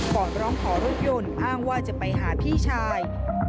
ก่อนร้องขอรถยนต์อ้างว่าจะไปหาพี่ชาย